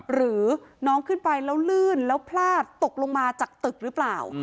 หรือน้องขึ้นไปแล้วลื่นแล้วพลาดตกลงมาจากตึกหรือเปล่า